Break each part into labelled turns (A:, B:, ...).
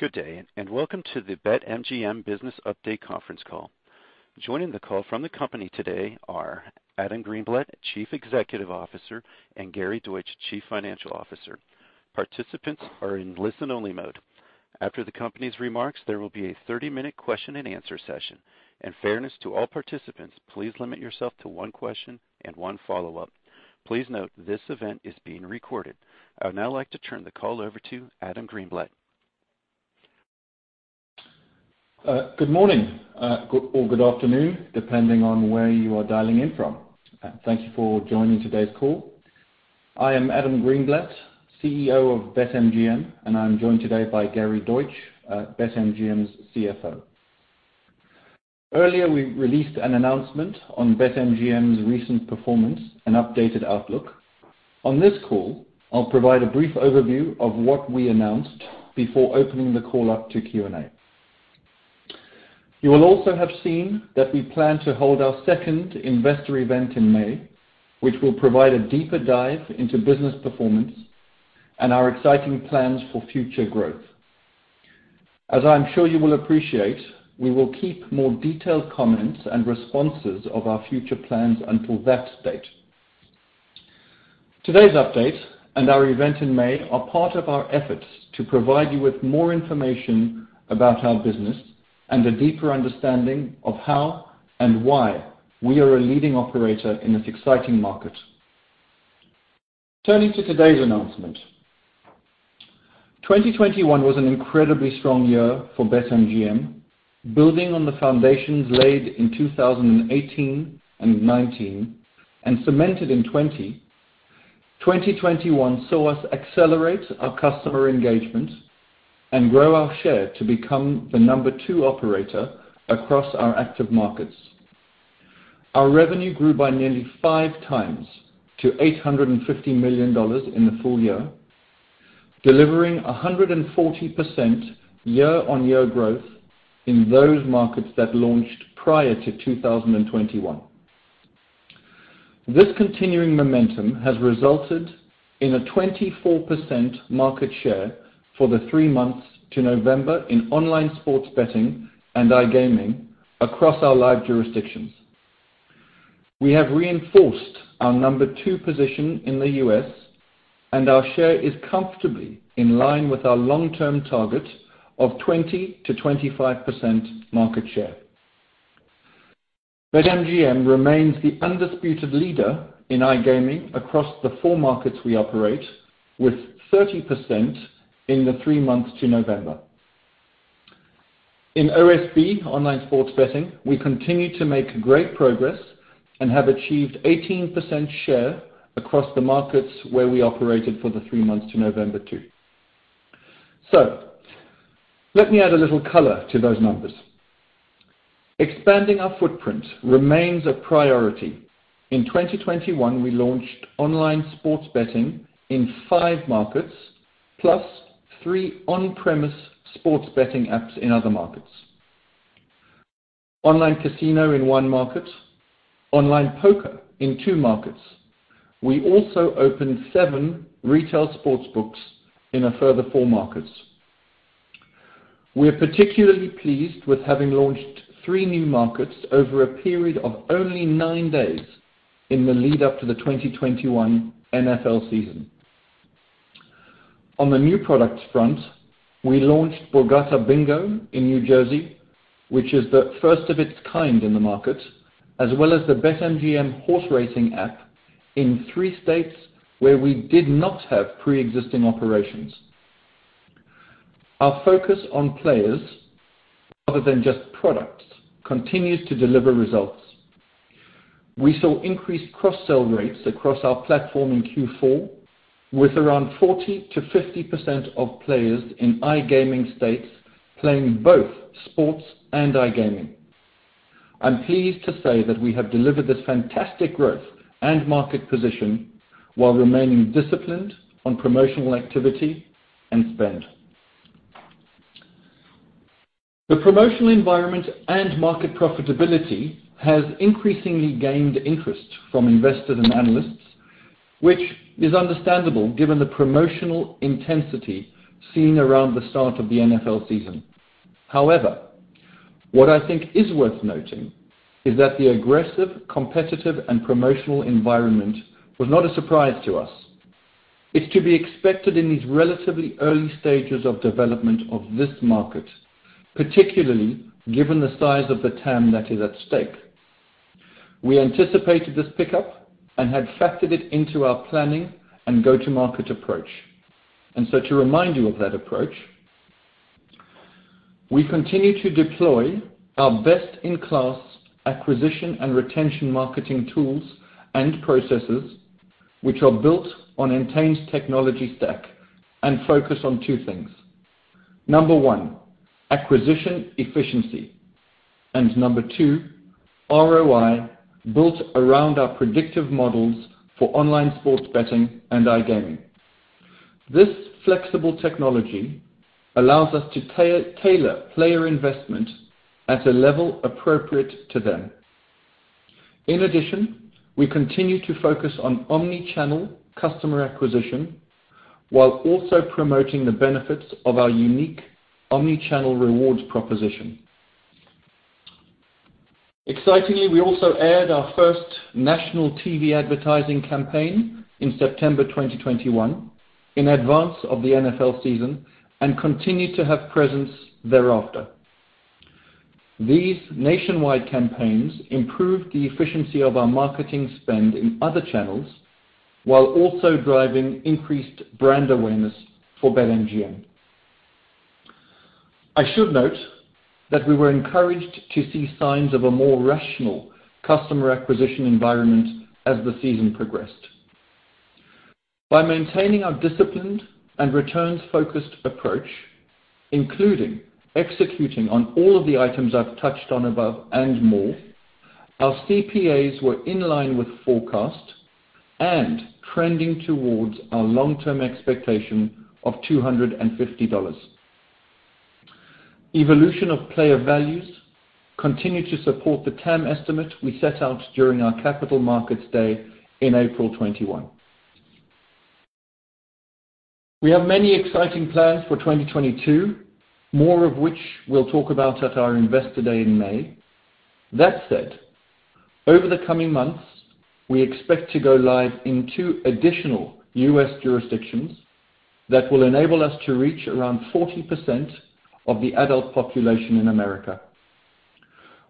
A: Good day, and welcome to the BetMGM Business Update conference call. Joining the call from the company today are Adam Greenblatt, Chief Executive Officer, and Gary Deutsch, Chief Financial Officer. Participants are in listen-only mode. After the company's remarks, there will be a 30-minute question-and-answer session. In fairness to all participants, please limit yourself to one question and one follow-up. Please note this event is being recorded. I would now like to turn the call over to Adam Greenblatt.
B: Good morning or good afternoon, depending on where you are dialing in from. Thank you for joining today's call. I am Adam Greenblatt, CEO of BetMGM, and I'm joined today by Gary Deutsch, BetMGM's CFO. Earlier, we released an announcement on BetMGM's recent performance and updated outlook. On this call, I'll provide a brief overview of what we announced before opening the call up to Q&A. You will also have seen that we plan to hold our second investor event in May, which will provide a deeper dive into business performance and our exciting plans for future growth. As I'm sure you will appreciate, we will keep more detailed comments and responses of our future plans until that date. Today's update and our event in May are part of our efforts to provide you with more information about our business and a deeper understanding of how and why we are a leading operator in this exciting market. Turning to today's announcement. 2021 was an incredibly strong year for BetMGM. Building on the foundations laid in 2018 and 2019 and cemented in 2020, 2021 saw us accelerate our customer engagement and grow our share to become the No. 2 operator across our active markets. Our revenue grew by nearly five times to $850 million in the full year, delivering 140% year-on-year growth in those markets that launched prior to 2021. This continuing momentum has resulted in a 24% market share for the three months to November in online sports betting and iGaming across our live jurisdictions. We have reinforced our number two position in the U.S., and our share is comfortably in line with our long-term target of 20%-25% market share. BetMGM remains the undisputed leader in iGaming across the four markets we operate, with 30% in the three months to November. In OSB, online sports betting, we continue to make great progress and have achieved 18% share across the markets where we operated for the three months to November too. Let me add a little color to those numbers. Expanding our footprint remains a priority. In 2021, we launched online sports betting in five markets, +3 on-premise sports betting apps in other markets. Online casino in one market, online poker in two markets. We also opened seven retail sports books in a further four markets. We are particularly pleased with having launched three new markets over a period of only nine days in the lead-up to the 2021 NFL season. On the new products front, we launched Borgata Bingo in New Jersey, which is the first of its kind in the market, as well as the BetMGM Horse Racing app in three states where we did not have pre-existing operations. Our focus on players, other than just products, continues to deliver results. We saw increased cross-sell rates across our platform in Q4, with around 40%-50% of players in iGaming states playing both sports and iGaming. I'm pleased to say that we have delivered this fantastic growth and market position while remaining disciplined on promotional activity and spend. The promotional environment and market profitability has increasingly gained interest from investors and analysts, which is understandable given the promotional intensity seen around the start of the NFL season. However, what I think is worth noting is that the aggressive, competitive, and promotional environment was not a surprise to us. It's to be expected in these relatively early stages of development of this market, particularly given the size of the TAM that is at stake. We anticipated this pickup and had factored it into our planning and go-to-market approach. To remind you of that approach, we continue to deploy our best-in-class acquisition and retention marketing tools and processes, which are built on Entain's technology stack and focus on two things. Number one, acquisition efficiency. Number two, ROI built around our predictive models for online sports betting and iGaming. This flexible technology allows us to tailor player investment at a level appropriate to them. In addition, we continue to focus on omni-channel customer acquisition, while also promoting the benefits of our unique omni-channel rewards proposition. Excitingly, we also aired our first national TV advertising campaign in September 2021 in advance of the NFL season and continued to have presence thereafter. These nationwide campaigns improved the efficiency of our marketing spend in other channels while also driving increased brand awareness for BetMGM. I should note that we were encouraged to see signs of a more rational customer acquisition environment as the season progressed. By maintaining our disciplined and returns-focused approach, including executing on all of the items I've touched on above and more, our CPAs were in line with forecast and trending towards our long-term expectation of $250. Evolution of player values continued to support the TAM estimate we set out during our Capital Markets Day in April 2021. We have many exciting plans for 2022, more of which we'll talk about at our Investor Day in May. That said, over the coming months, we expect to go live in two additional U.S. jurisdictions that will enable us to reach around 40% of the adult population in America.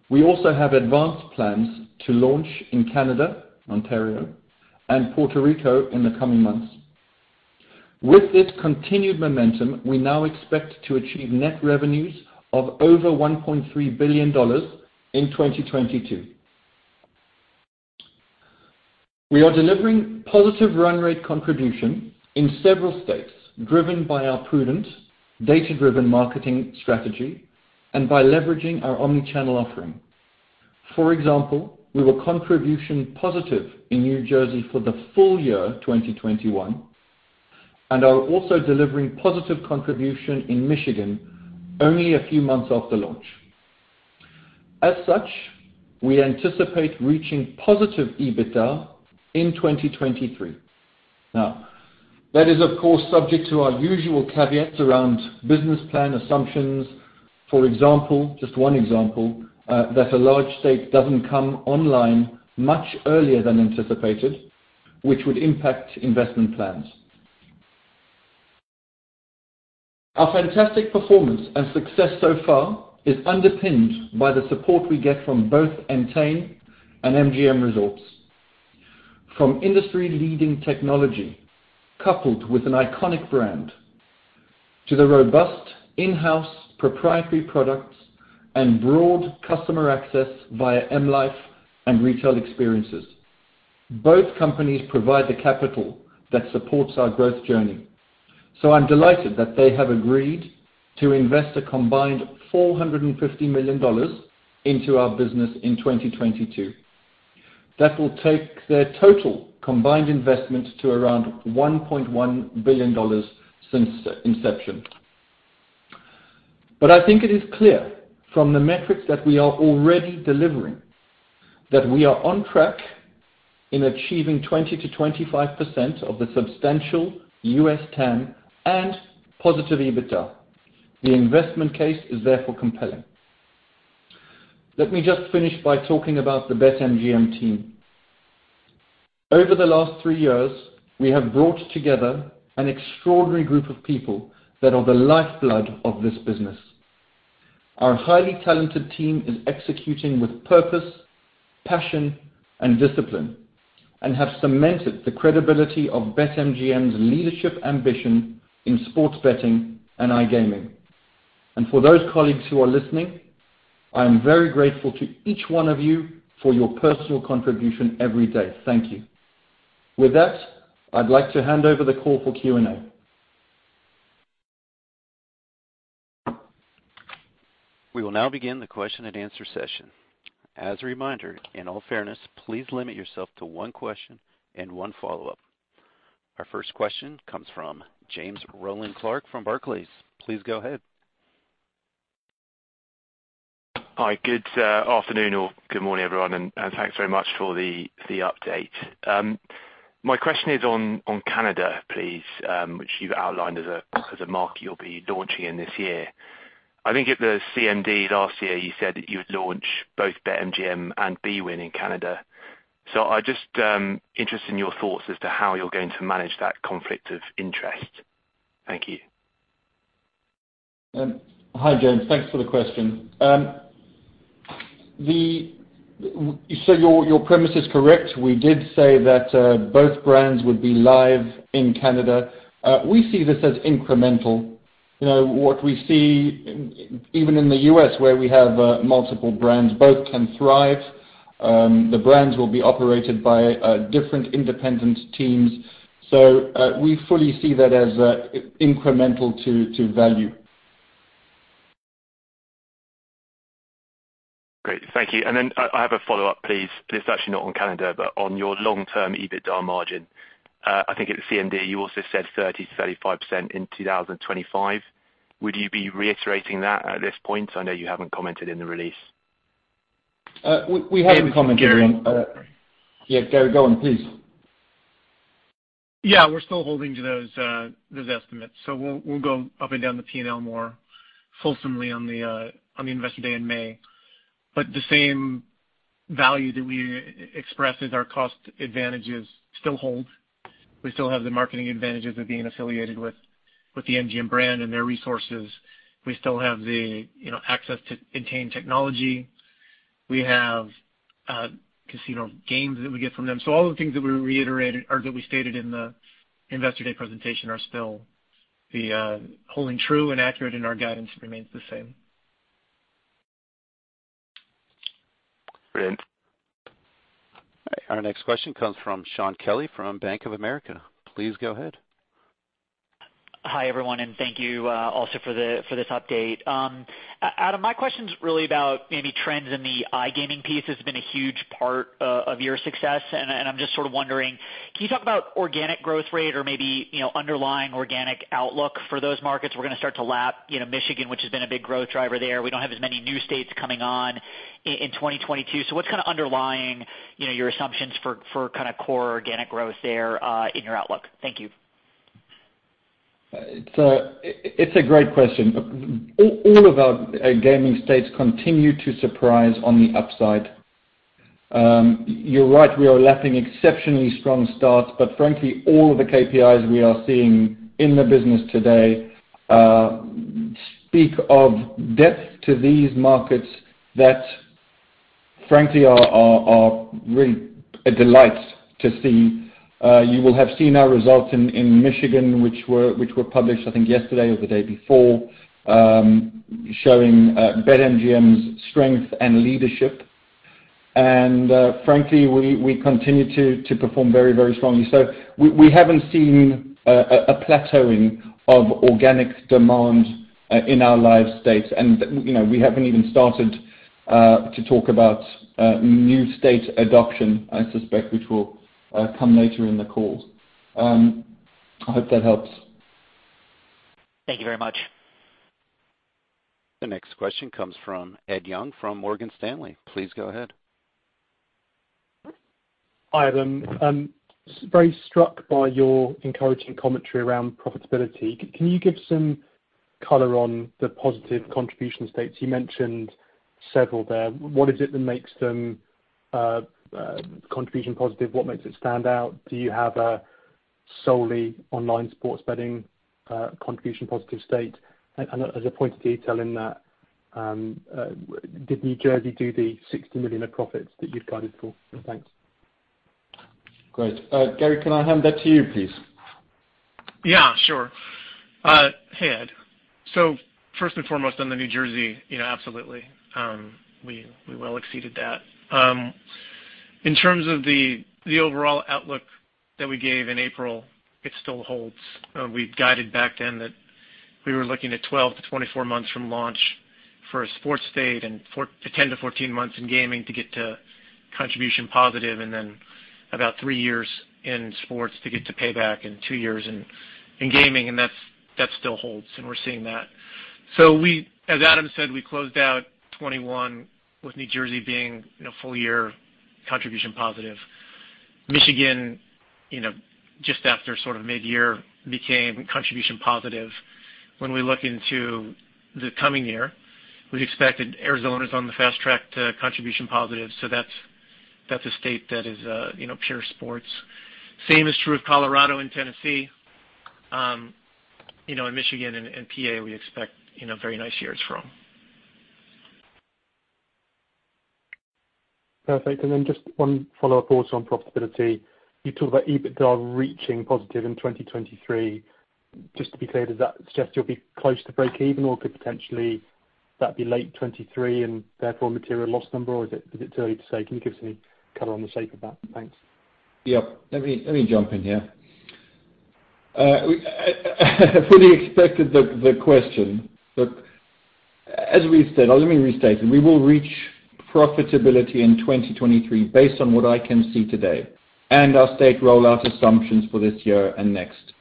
B: We also have advanced plans to launch in Canada, Ontario, and Puerto Rico in the coming months. With this continued momentum, we now expect to achieve net revenues of over $1.3 billion in 2022. We are delivering positive run rate contribution in several states, driven by our prudent data-driven marketing strategy and by leveraging our omni-channel offering. For example, we were contribution positive in New Jersey for the full year 2021 and are also delivering positive contribution in Michigan only a few months after launch. As such, we anticipate reaching positive EBITDA in 2023. Now, that is, of course, subject to our usual caveats around business plan assumptions. For example, just one example, that a large state doesn't come online much earlier than anticipated, which would impact investment plans. Our fantastic performance and success so far is underpinned by the support we get from both Entain and MGM Resorts. From industry-leading technology coupled with an iconic brand to the robust in-house proprietary products and broad customer access via M life and retail experiences, both companies provide the capital that supports our growth journey. I'm delighted that they have agreed to invest a combined $450 million into our business in 2022. That will take their total combined investment to around $1.1 billion since inception. I think it is clear from the metrics that we are already delivering that we are on track in achieving 20%-25% of the substantial U.S. TAM and positive EBITDA. The investment case is therefore compelling. Let me just finish by talking about the BetMGM team. Over the last three years, we have brought together an extraordinary group of people that are the lifeblood of this business. Our highly talented team is executing with purpose, passion, and discipline and have cemented the credibility of BetMGM's leadership ambition in sports betting and iGaming. For those colleagues who are listening, I am very grateful to each one of you for your personal contribution every day. Thank you. With that, I'd like to hand over the call for Q&A.
A: We will now begin the question-and-answer session. As a reminder, in all fairness, please limit yourself to one question and one follow-up. Our first question comes from James Rowland Clark from Barclays. Please go ahead.
C: Hi. Good afternoon or good morning, everyone, and thanks very much for the update. My question is on Canada, please, which you've outlined as a market you'll be launching in this year. I think at the CMD last year you said that you would launch both BetMGM and bwin in Canada. I'm just interested in your thoughts as to how you're going to manage that conflict of interest. Thank you.
B: Hi, James. Thanks for the question. Your premise is correct. We did say that both brands would be live in Canada. We see this as incremental. You know, what we see even in the U.S., where we have multiple brands, both can thrive. The brands will be operated by different independent teams. We fully see that as incremental to value.
C: Great. Thank you. I have a follow-up, please. It's actually not on Canada but on your long-term EBITDA margin. I think at the CMD you also said 30%-35% in 2025. Would you be reiterating that at this point? I know you haven't commented in the release.
B: We haven't commented on.
C: Maybe, Gary.
B: Yeah, Gary, go on, please.
D: Yeah. We're still holding to those estimates. We'll go up and down the P&L more fully on the Investor Day in May. The same value that we expressed as our cost advantages still hold. We still have the marketing advantages of being affiliated with the MGM brand and their resources. We still have you know access to Entain technology. We have casino games that we get from them. All of the things that we reiterated or that we stated in the Investor Day presentation are still holding true and accurate, and our guidance remains the same.
C: Brilliant.
A: Our next question comes from Shaun Kelley from Bank of America. Please go ahead.
E: Hi, everyone, and thank you also for this update. Adam, my question is really about maybe trends in the iGaming piece. It's been a huge part of your success, and I'm just sort of wondering, can you talk about organic growth rate or maybe, you know, underlying organic outlook for those markets? We're gonna start to lap, you know, Michigan, which has been a big growth driver there. We don't have as many new states coming on in 2022. So what's kinda underlying, you know, your assumptions for kinda core organic growth there, in your outlook? Thank you.
B: It's a great question. All of our gaming states continue to surprise on the upside. You're right, we are lapping exceptionally strong starts, but frankly, all of the KPIs we are seeing in the business today speak of depth to these markets that frankly are really a delight to see. You will have seen our results in Michigan, which were published, I think, yesterday or the day before, showing BetMGM's strength and leadership. Frankly, we continue to perform very strongly. We haven't seen a plateauing of organic demand in our live states. You know, we haven't even started to talk about new state adoption, I suspect, which will come later in the call. I hope that helps.
E: Thank you very much.
A: The next question comes from Ed Young from Morgan Stanley. Please go ahead.
F: Hi, Adam. I'm very struck by your encouraging commentary around profitability. Can you give some color on the positive contribution states? You mentioned several there. What is it that makes them contribution positive? What makes it stand out? Do you have a solely online sports betting contribution positive state? As a point of detail in that, did New Jersey do the $60 million of profits that you'd guided for? Thanks.
B: Great. Gary, can I hand back to you, please?
D: Yeah, sure. Hey, Ed. First and foremost, on New Jersey, you know, absolutely, we well exceeded that. In terms of the overall outlook that we gave in April, it still holds. We guided back then that we were looking at 12 month-24 months from launch for a sports state and 4 months-10 months-14 months in gaming to get to contribution positive, and then about three years in sports to get to payback and two years in gaming, and that still holds, and we're seeing that. As Adam said, we closed out 2021 with New Jersey being, you know, full year contribution positive. Michigan, you know, just after sort of mid-year became contribution positive. When we look into the coming year, we expect that Arizona's on the fast track to contribution positive. That's a state that is, you know, pure sports. Same is true of Colorado and Tennessee. You know, Michigan and PA, we expect, you know, very nice years from.
F: Perfect. Just one follow-up also on profitability. You talked about EBITDA reaching positive in 2023. Just to be clear, does that suggest you'll be close to breakeven or could potentially that be late 2023 and therefore a material loss number? Or is it too early to say? Can you give us any color on the shape of that? Thanks.
B: Let me jump in here. We fully expected the question. As we've said, or let me restate it, we will reach profitability in 2023 based on what I can see today and our state rollout assumptions for this year and next.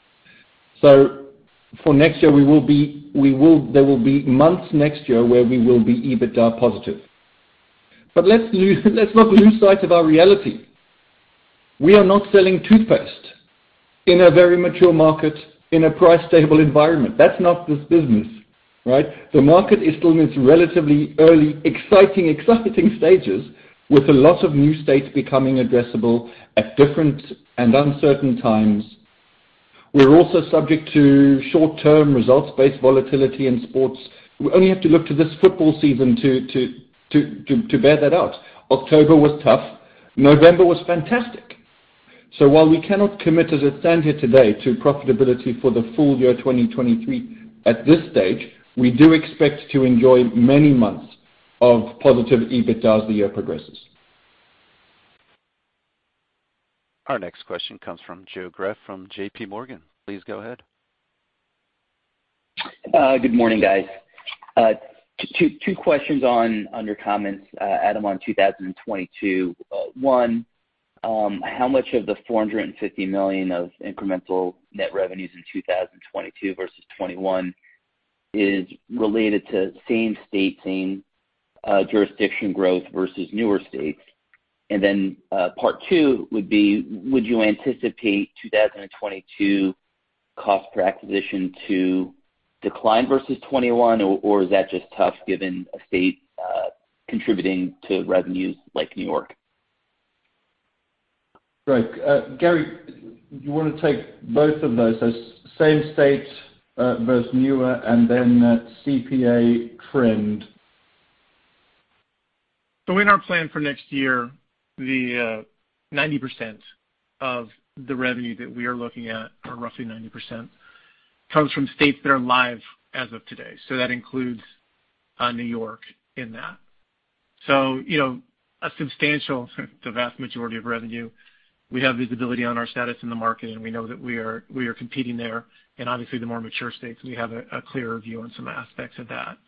B: For next year, there will be months next year where we will be EBITDA positive. Let's not lose sight of our reality. We are not selling toothpaste in a very mature market, in a price stable environment. That's not this business, right? The market is still in its relatively early, exciting stages with a lot of new states becoming addressable at different and uncertain times. We're also subject to short-term results-based volatility in sports. We only have to look to this football season to bear that out. October was tough. November was fantastic. While we cannot commit as a standard today to profitability for the full year 2023 at this stage, we do expect to enjoy many months of positive EBITDA as the year progresses.
A: Our next question comes from Joe Greff from J.P. Morgan. Please go ahead.
G: Good morning, guys. Two questions on your comments, Adam, on 2022. One, how much of the $450 million of incremental net revenues in 2022 versus 2021 is related to same state, same jurisdiction growth versus newer states? And then, part two would be, would you anticipate 2022 cost per acquisition to decline versus 2021 or is that just tough given a state contributing to revenues like New York?
B: Right. Gary, you wanna take both of those same states versus newer and then the CPA trend?
D: In our plan for next year, the 90% of the revenue that we are looking at, or roughly 90%, comes from states that are live as of today, so that includes New York in that. You know, a substantial, the vast majority of revenue, we have visibility on our status in the market, and we know that we are competing there. Obviously the more mature states, we have a clearer view on some aspects of that.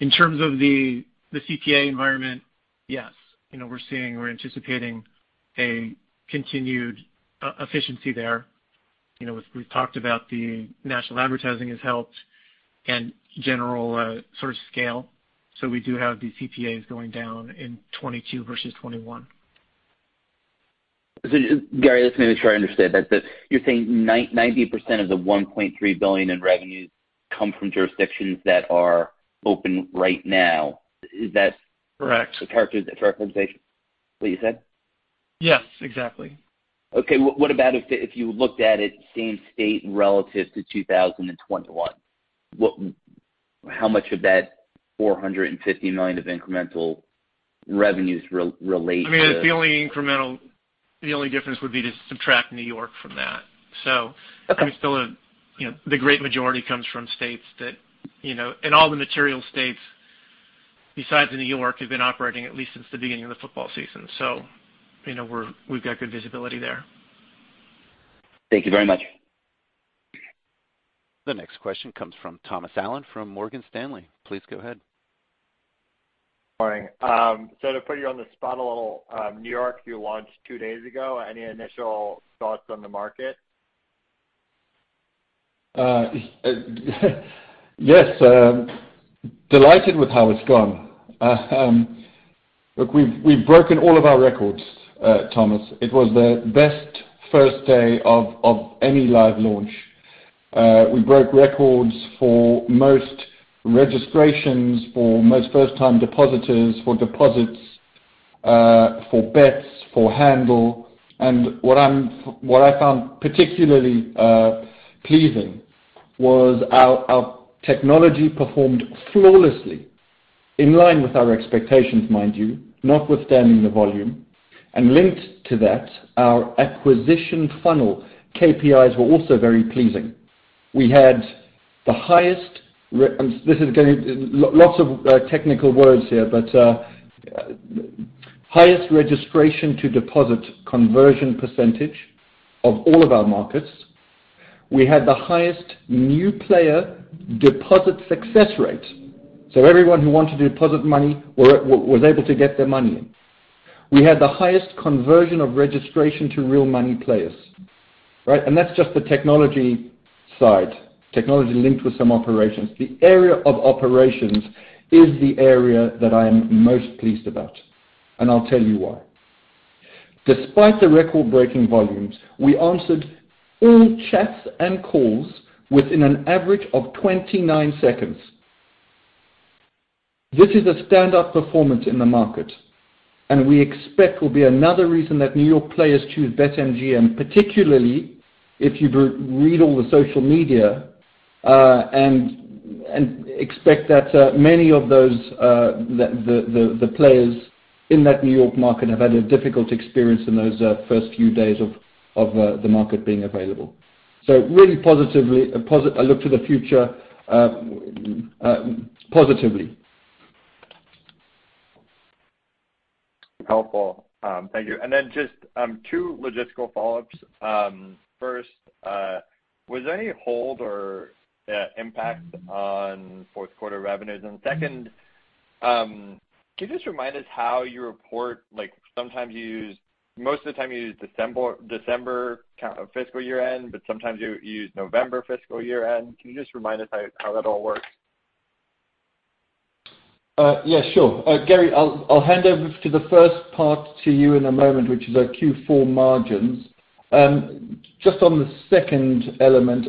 D: In terms of the CPA environment, yes. You know, we're seeing, we're anticipating a continued efficiency there. You know, we've talked about the national advertising has helped and general sort of scale. We do have the CPAs going down in 2022 versus 2021.
G: Just, Gary, let's make sure I understood that you're saying 90% of the $1.3 billion in revenues come from jurisdictions that are open right now. Is that-
D: Correct.
G: Is that a fair representation of what you said?
D: Yes, exactly.
G: Okay. What about if you looked at it same state relative to 2021? What how much of that $450 million of incremental revenues relate to-
D: I mean, the only difference would be to subtract New York from that.
G: Okay.
D: I mean, still, you know, the great majority comes from states that, you know, and all the material states besides New York have been operating at least since the beginning of the football season. You know, we've got good visibility there.
G: Thank you very much.
A: The next question comes from Thomas Allen from Morgan Stanley. Please go ahead.
H: Morning. To put you on the spot a little, New York, you launched two days ago. Any initial thoughts on the market?
B: Yes, delighted with how it's gone. Look, we've broken all of our records, Thomas. It was the best first day of any live launch. We broke records for most registrations, for most first time depositors, for deposits, for bets, for handle. What I found particularly pleasing was our technology performed flawlessly in line with our expectations, mind you, notwithstanding the volume, and linked to that, our acquisition funnel KPIs were also very pleasing. We had the highest, this is getting lots of technical words here, but, highest registration to deposit conversion percentage of all of our markets. We had the highest new player deposit success rate, so everyone who wanted to deposit money was able to get their money in. We had the highest conversion of registration to real money players, right? That's just the technology side, technology linked with some operations. The area of operations is the area that I am most pleased about, and I'll tell you why. Despite the record-breaking volumes, we answered all chats and calls within an average of 29 seconds. This is a standout performance in the market, and we expect will be another reason that New York players choose BetMGM, particularly if you read all the social media and expect that many of those players in that New York market have had a difficult experience in those first few days of the market being available. Really positively, I look to the future positively.
H: Helpful. Thank you. Just two logistical follow-ups. First, was there any hold or impact on fourth quarter revenues? Second, can you just remind us how you report, most of the time you use December fiscal year end, but sometimes you use November fiscal year end. Can you just remind us how that all works?
B: Yeah, sure. Gary, I'll hand over to the first part to you in a moment, which is our Q4 margins. Just on the second element,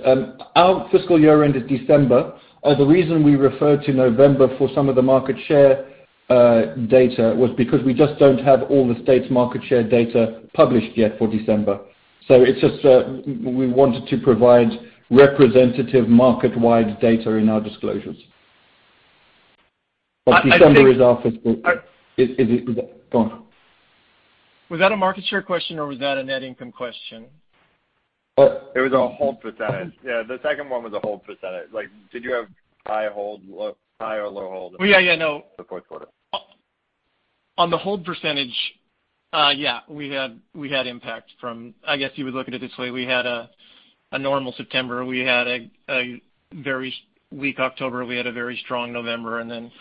B: our fiscal year end is December. The reason we referred to November for some of the market share data was because we just don't have all the state's market share data published yet for December. It's just, we wanted to provide representative market-wide data in our disclosures. December is our fiscal.
D: I think.
B: Is it? Go on.
D: Was that a market share question or was that a net income question?
B: Uh-
H: It was a hold percentage. Yeah, the second one was a hold percentage. Like, did you have high hold, low, high or low hold?
D: Yeah, yeah, no.
H: for fourth quarter.
D: On the hold percentage, yeah, we had impact. I guess you would look at it this way. We had a normal September. We had a very weak October. We had a very strong November, and then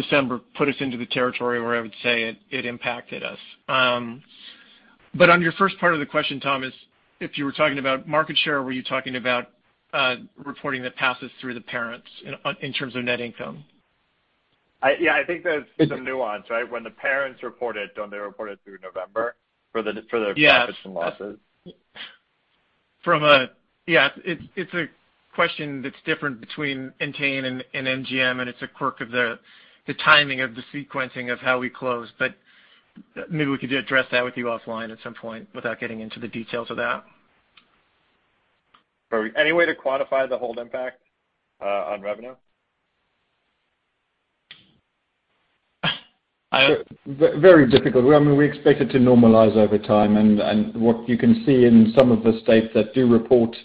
D: December put us into the territory where I would say it impacted us. On your first part of the question, Thomas, if you were talking about market share, were you talking about reporting that passes through the parents in terms of net income?
H: Yeah, I think there's some nuance, right? When the parents report it, don't they report it through November for the-
D: Yes
H: ...profits and losses?
D: Yeah. It's a question that's different between Entain and MGM, and it's a quirk of the timing of the sequencing of how we close. But maybe we could address that with you offline at some point without getting into the details of that.
H: Any way to quantify the hold impact on revenue?
B: Very difficult. I mean, we expect it to normalize over time. What you can see in some of the states that do report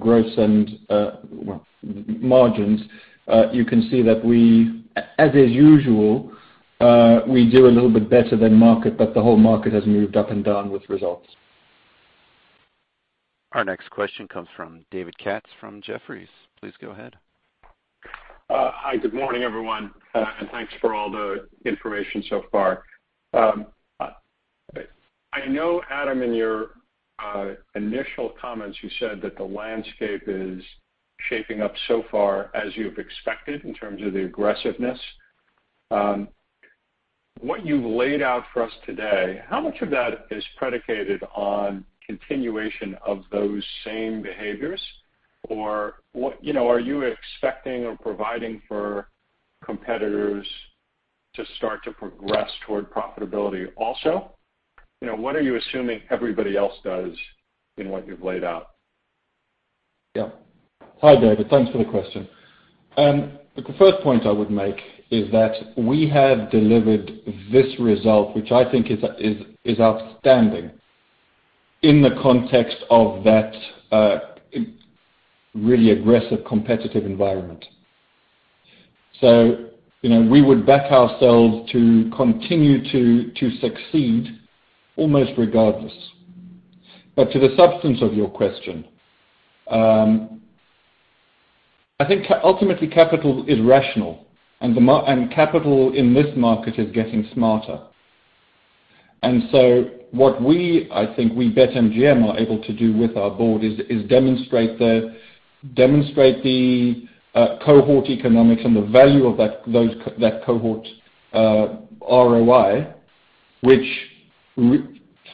B: gross and margins, you can see that we, as usual, do a little bit better than market, but the whole market has moved up and down with results.
A: Our next question comes from David Katz from Jefferies. Please go ahead.
I: Hi, good morning, everyone, and thanks for all the information so far. I know, Adam, in your initial comments, you said that the landscape is shaping up so far as you've expected in terms of the aggressiveness. What you've laid out for us today, how much of that is predicated on continuation of those same behaviors? You know, are you expecting or providing for competitors to start to progress toward profitability also? You know, what are you assuming everybody else does in what you've laid out?
B: Yeah. Hi, David. Thanks for the question. The first point I would make is that we have delivered this result, which I think is outstanding in the context of that really aggressive competitive environment. You know, we would back ourselves to continue to succeed almost regardless. To the substance of your question, I think ultimately capital is rational, and capital in this market is getting smarter. What we, I think, BetMGM, are able to do with our board is demonstrate the cohort economics and the value of that cohort ROI, which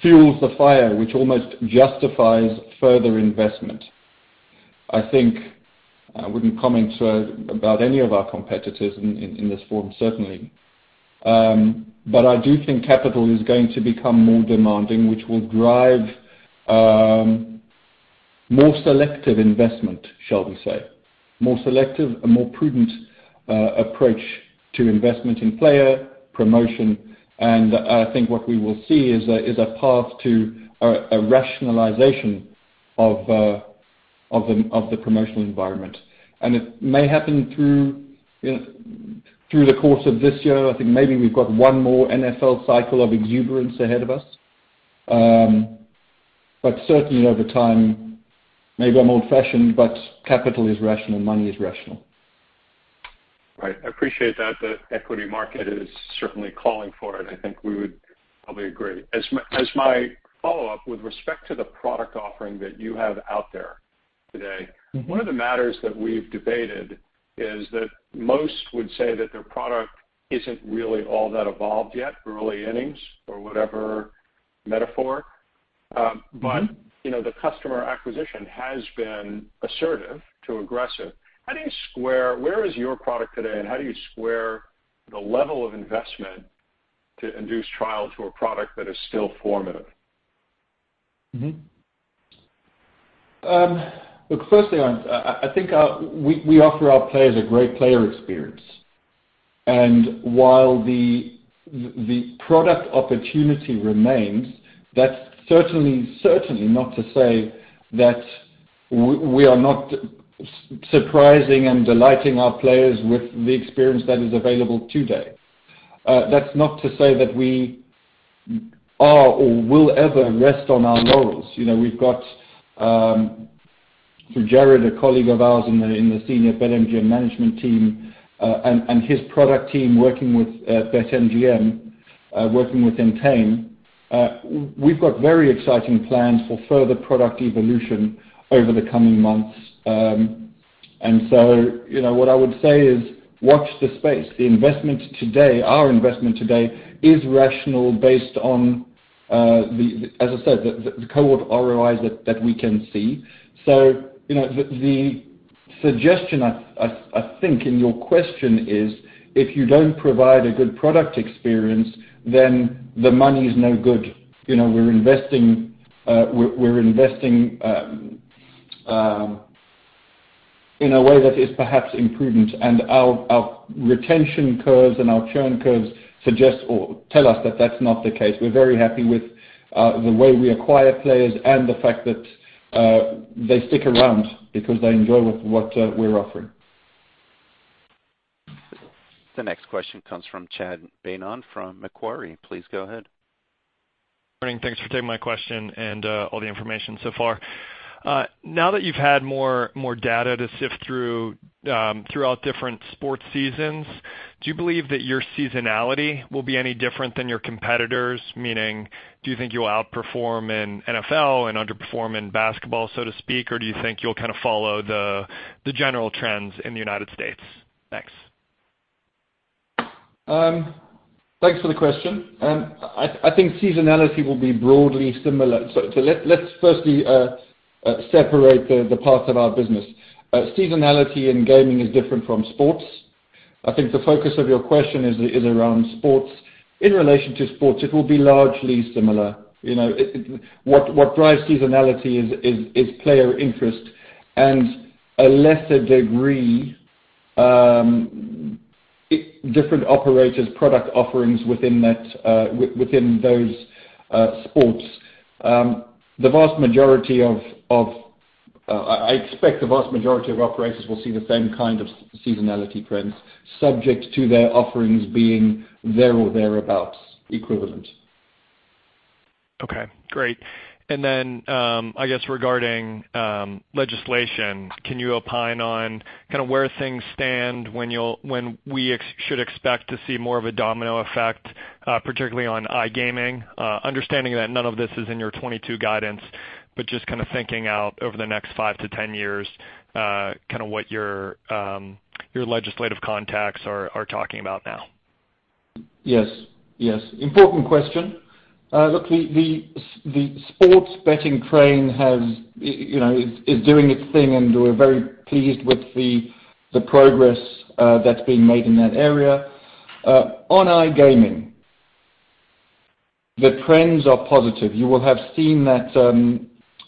B: fuels the fire, which almost justifies further investment. I think I wouldn't comment about any of our competitors in this forum, certainly. I do think capital is going to become more demanding, which will drive more selective investment, shall we say, a more prudent approach to investment in player promotion. I think what we will see is a path to a rationalization of the promotional environment. It may happen through the course of this year. I think maybe we've got one more NFL cycle of exuberance ahead of us. Certainly over time, maybe I'm old-fashioned, but capital is rational, money is rational.
I: Right. I appreciate that. The equity market is certainly calling for it. I think we would probably agree. As my follow-up, with respect to the product offering that you have out there today.
B: Mm-hmm.
I: One of the matters that we've debated is that most would say that their product isn't really all that evolved yet, early innings or whatever metaphor.
B: Mm-hmm.
I: You know, the customer acquisition has been assertive to aggressive. Where is your product today, and how do you square the level of investment to induce trial to a product that is still formative?
B: Look, firstly, I think we offer our players a great player experience. While the product opportunity remains, that's certainly not to say that we are not surprising and delighting our players with the experience that is available today. That's not to say that we are or will ever rest on our laurels. You know, we've got through Jared, a colleague of ours in the senior BetMGM management team, and his product team working with BetMGM, working with Entain, we've got very exciting plans for further product evolution over the coming months. You know, what I would say is watch the space. The investment today, our investment today is rational based on, as I said, the cohort ROIs that we can see. You know, the suggestion, I think, in your question is, if you don't provide a good product experience, then the money is no good. You know, we're investing in a way that is perhaps imprudent. Our retention curves and our churn curves suggest or tell us that that's not the case. We're very happy with the way we acquire players and the fact that they stick around because they enjoy what we're offering.
A: The next question comes from Chad Beynon from Macquarie. Please go ahead.
J: Morning. Thanks for taking my question and all the information so far. Now that you've had more data to sift through throughout different sports seasons, do you believe that your seasonality will be any different than your competitors? Meaning, do you think you'll outperform in NFL and underperform in basketball, so to speak? Or do you think you'll kinda follow the general trends in the United States? Thanks.
B: Thanks for the question. I think seasonality will be broadly similar. Let's firstly separate the parts of our business. Seasonality in gaming is different from sports. I think the focus of your question is around sports. In relation to sports, it will be largely similar. You know, what drives seasonality is player interest and a lesser degree, different operators product offerings within that, within those sports. I expect the vast majority of operators will see the same kind of seasonality trends subject to their offerings being there or thereabout equivalent.
J: Okay, great. I guess regarding legislation, can you opine on kinda where things stand, when we should expect to see more of a domino effect, particularly on iGaming, understanding that none of this is in your 2022 guidance, but just kinda thinking out over the next 5 to 10 years, kinda what your legislative contacts are talking about now?
B: Yes, yes. Important question. Look, the sports betting train has, you know, is doing its thing, and we're very pleased with the progress that's being made in that area. On iGaming, the trends are positive. You will have seen that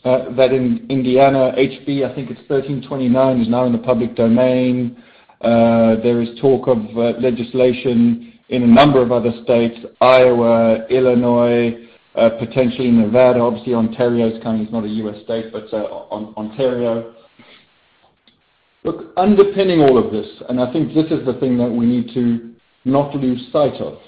B: that in Indiana, HB, I think it's 1329, is now in the public domain. There is talk of legislation in a number of other states, Iowa, Illinois, potentially Nevada. Obviously, Ontario is coming. It's not a U.S. state, but Ontario. Look, underpinning all of this, and I think this is the thing that we need to not lose sight of.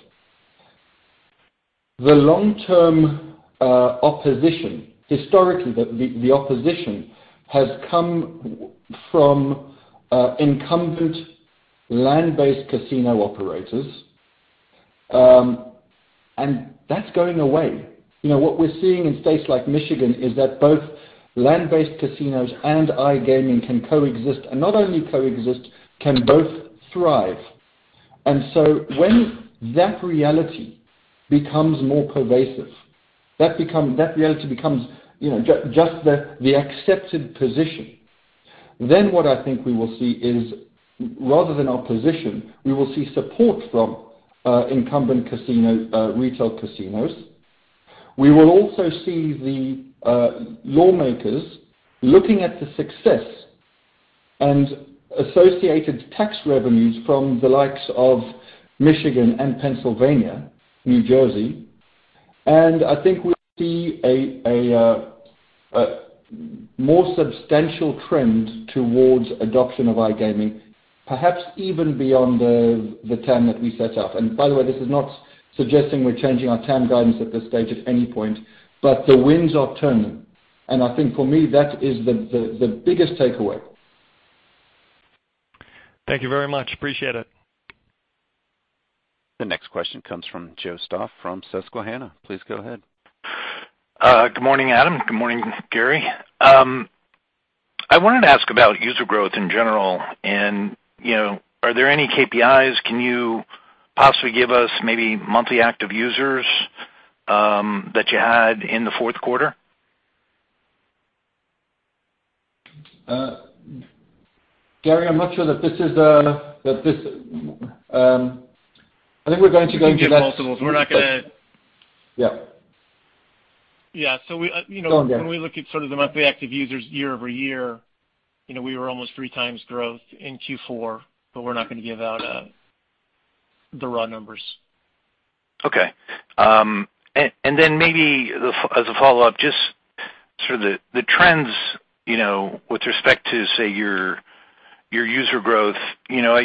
B: The long-term opposition, historically, the opposition has come from incumbent land-based casino operators, and that's going away. You know, what we're seeing in states like Michigan is that both land-based casinos and iGaming can coexist. Not only coexist, can both thrive. When that reality becomes more pervasive, you know, just the accepted position, then what I think we will see is rather than opposition, we will see support from incumbent casino retail casinos. We will also see the lawmakers looking at the success and associated tax revenues from the likes of Michigan and Pennsylvania, New Jersey. I think we'll see a more substantial trend towards adoption of iGaming, perhaps even beyond the 10 that we set up. By the way, this is not suggesting we're changing our 10 guidance at this stage at any point, but the winds are turning. I think for me, that is the biggest takeaway.
J: Thank you very much. Appreciate it.
A: The next question comes from Joe Stauff from Susquehanna Financial Group. Please go ahead.
K: Good morning, Adam. Good morning, Gary. I wanted to ask about user growth in general, and, you know, are there any KPIs? Can you possibly give us maybe monthly active users, that you had in the fourth quarter?
B: Gary, I'm not sure that this is. I think we're going to go into that.
D: We can give multiples.
B: Yeah.
D: Yeah. We, you know.
B: Go on, Gary....
D: when we look at sort of the monthly active users year-over-year, you know, we were almost 3x growth in Q4, but we're not gonna give out the raw numbers.
K: Okay. Then maybe the follow-up, just sort of the trends, you know, with respect to, say, your user growth. You know,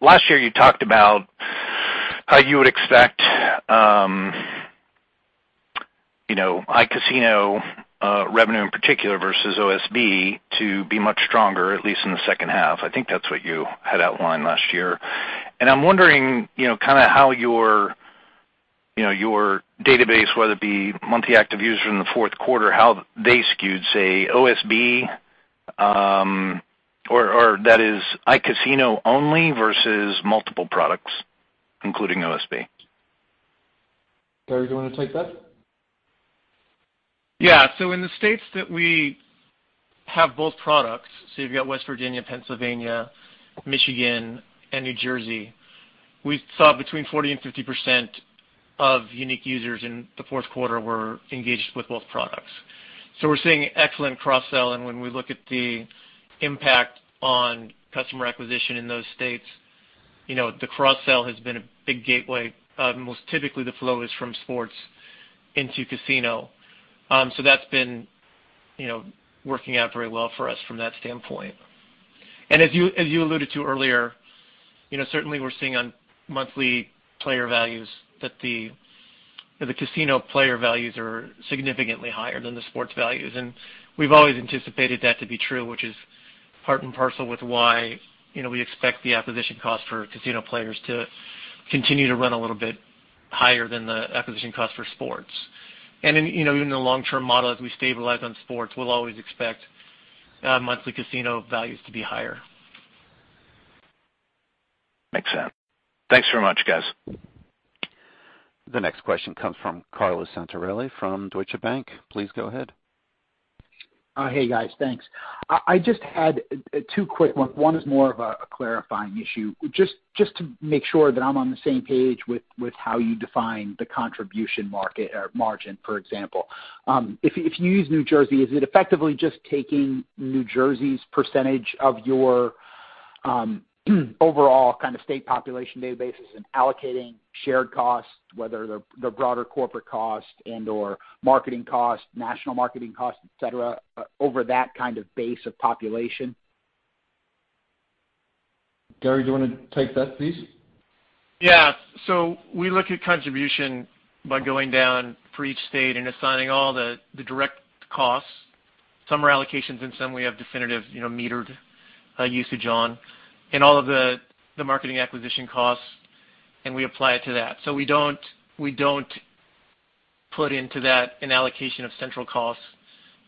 K: last year you talked about how you would expect, you know, iCasino revenue in particular versus OSB to be much stronger, at least in the second half. I think that's what you had outlined last year. I'm wondering, you know, kinda how your database, whether it be monthly active user in the fourth quarter, how they skewed, say, OSB, or that is iCasino only versus multiple products, including OSB.
B: Gary, do you wanna take that?
D: Yeah. In the states that we have both products, you've got West Virginia, Pennsylvania, Michigan, and New Jersey, we saw between 40%-50% of unique users in the fourth quarter were engaged with both products. We're seeing excellent cross-sell. When we look at the impact on customer acquisition in those states, you know, the cross-sell has been a big gateway. Most typically, the flow is from sports into casino. That's been, you know, working out very well for us from that standpoint. As you alluded to earlier, you know, certainly we're seeing on monthly player values that the casino player values are significantly higher than the sports values. We've always anticipated that to be true, which is part and parcel with why, you know, we expect the acquisition cost for casino players to continue to run a little bit higher than the acquisition cost for sports. In, you know, in the long-term model, as we stabilize on sports, we'll always expect monthly casino values to be higher.
K: Makes sense. Thanks very much, guys.
A: The next question comes from Carlo Santarelli from Deutsche Bank. Please go ahead.
L: Hey, guys. Thanks. I just had two quick ones. One is more of a clarifying issue. Just to make sure that I'm on the same page with how you define the contribution margin, for example. If you use New Jersey, is it effectively just taking New Jersey's percentage of your overall kind of state population databases and allocating shared costs, whether the broader corporate cost and/or marketing costs, national marketing costs, et cetera, over that kind of base of population?
B: Gary, do you wanna take that please?
D: Yeah. We look at contribution by going down for each state and assigning all the direct costs. Some are allocations and some we have definitive, you know, metered usage on, and all of the marketing acquisition costs, and we apply it to that. We don't put into that an allocation of central costs,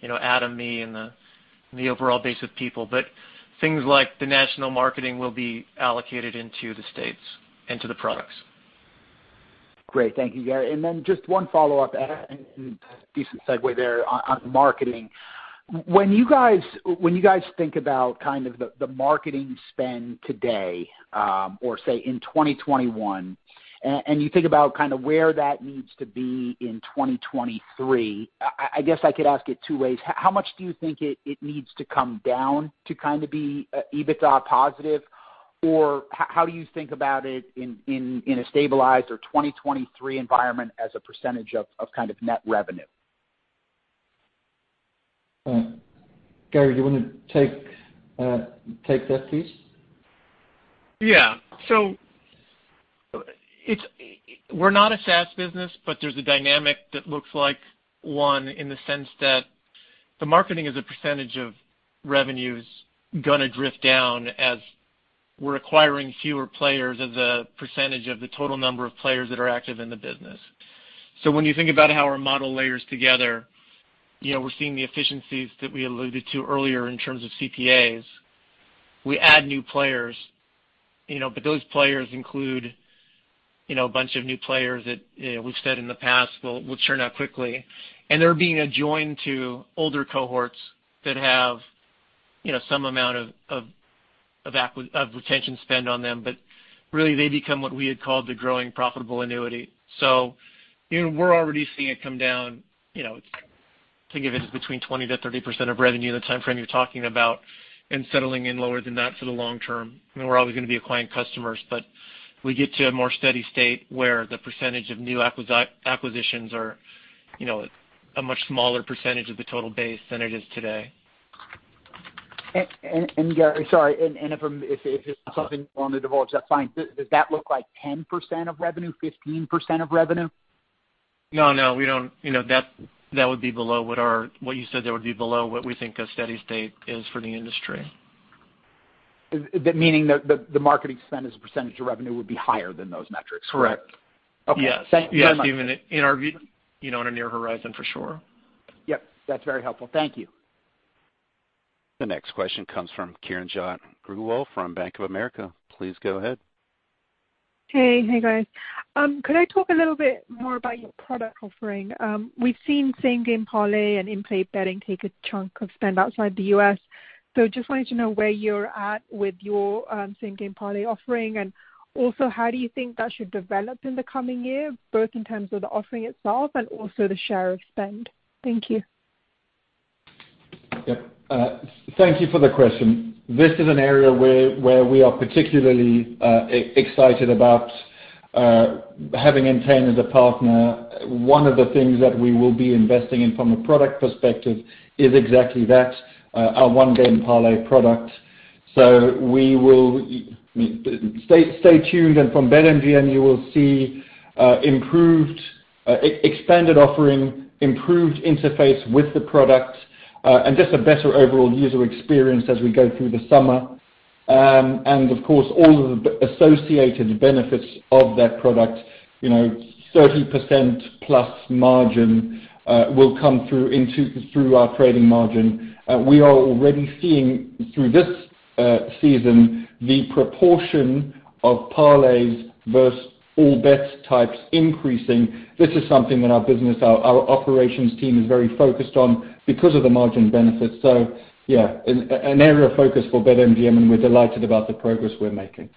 D: you know, Adam, me and the overall base of people. Things like the national marketing will be allocated into the states, into the products.
L: Great. Thank you, Gary. Just one follow-up, Adam, and decent segue there on marketing. When you guys think about kind of the marketing spend today, or say in 2021, and you think about kind of where that needs to be in 2023, I guess I could ask it two ways. How much do you think it needs to come down to kind of be EBITDA positive? Or how do you think about it in a stabilized or 2023 environment as a percentage of kind of net revenue?
B: All right. Gary, do you wanna take that piece?
D: Yeah. We're not a SaaS business, but there's a dynamic that looks like one in the sense that the marketing as a percentage of revenue is gonna drift down as we're acquiring fewer players as a percentage of the total number of players that are active in the business. When you think about how our model layers together, you know, we're seeing the efficiencies that we alluded to earlier in terms of CPAs. We add new players, you know, but those players include, you know, a bunch of new players that, you know, we've said in the past will churn out quickly. They're being adjoined to older cohorts that have, you know, some amount of retention spend on them. But really, they become what we had called the growing profitable annuity. You know, we're already seeing it come down, you know, think of it as between 20%-30% of revenue in the timeframe you're talking about and settling in lower than that for the long term. I mean, we're always gonna be acquiring customers, but we get to a more steady state where the percentage of new acquisitions are, you know, a much smaller percentage of the total base than it is today.
L: Gary, sorry, if it's not something you wanna divulge, that's fine. Does that look like 10% of revenue, 15% of revenue?
D: No, we don't. You know, what you said there would be below what we think a steady state is for the industry.
L: Meaning the marketing spend as a percentage of revenue would be higher than those metrics, correct?
D: Correct.
L: Okay.
D: Yes.
L: Thank you very much.
D: Yes, even in our view, you know, in a near horizon for sure.
L: Yep. That's very helpful. Thank you.
A: The next question comes from Kiranjot Grewal from Bank of America. Please go ahead.
M: Hey. Hey, guys. Could I talk a little bit more about your product offering? We've seen same-game parlay and in-play betting take a chunk of spend outside the U.S. Just wanted to know where you're at with your same-game parlay offering. Also, how do you think that should develop in the coming year, both in terms of the offering itself and also the share of spend? Thank you.
B: Yep. Thank you for the question. This is an area where we are particularly excited about having Entain as a partner. One of the things that we will be investing in from a product perspective is exactly that, our One Game Parlay product. Stay tuned, and from BetMGM, you will see improved expanded offering, improved interface with the product, and just a better overall user experience as we go through the summer. Of course, all of the associated benefits of that product, you know, 30%+ margin, will come through into our trading margin. We are already seeing through this season the proportion of parlays versus all bet types increasing. This is something that our business, our operations team is very focused on because of the margin benefits. Yeah, an area of focus for BetMGM, and we're delighted about the progress we're making.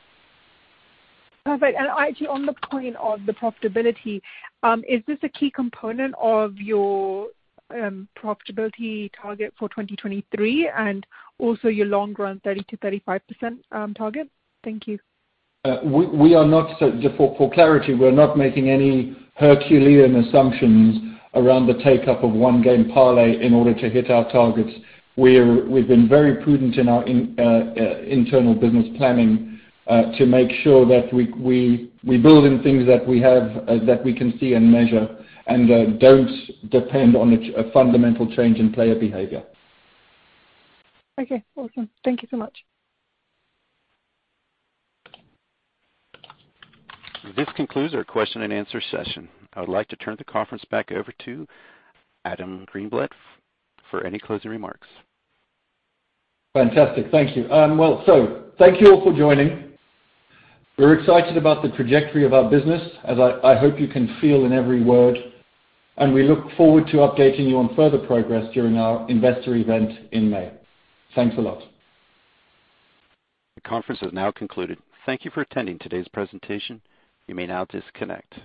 M: Perfect. Actually on the point of the profitability, is this a key component of your profitability target for 2023 and also your long run 30%-35% target? Thank you.
B: Just for clarity, we're not making any Herculean assumptions around the take-up of One Game Parlay in order to hit our targets. We've been very prudent in our internal business planning to make sure that we build in things that we have that we can see and measure and don't depend on a fundamental change in player behavior.
M: Okay. Awesome. Thank you so much.
A: This concludes our question and answer session. I would like to turn the conference back over to Adam Greenblatt for any closing remarks.
B: Fantastic. Thank you. Thank you all for joining. We're excited about the trajectory of our business, as I hope you can feel in every word, and we look forward to updating you on further progress during our investor event in May. Thanks a lot.
A: The conference has now concluded. Thank you for attending today's presentation. You may now disconnect.